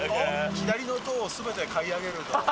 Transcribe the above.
左の棟をすべて買い上げると。